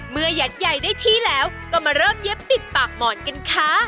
เมื่อยัดยายได้ที่แล้วก็มาเริ่มเย็บปิดปากหมอนกันคะ